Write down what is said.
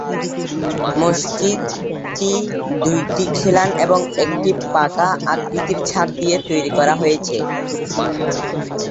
মসজিদটি দুইটি খিলান এবং একটি পাখা-আকৃতির ছাদ দিয়ে তৈরি করা হয়েছে।